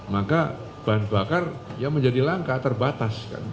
maka bahan bakar ya menjadi langka terbatas